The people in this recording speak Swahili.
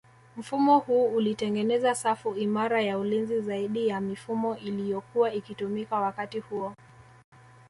Mfumo huu ulitengeneza safu imara ya ulinzi zaidi ya mifumo iliyokua ikitumika wakati huo